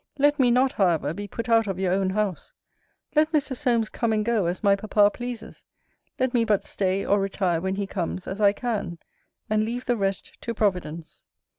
Let me not, however, be put out of your own house. Let Mr. Solmes come and go, as my papa pleases: let me but stay or retire when he comes, as I can; and leave the rest to Providence.